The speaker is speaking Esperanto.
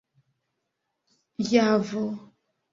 javo